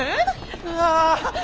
うわ。